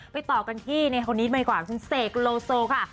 ต่อกันที่ในคนนี้ใหม่กว่าคุณเสกโลโซค่ะ